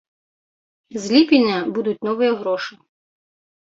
З ліпеня будуць новыя грошы.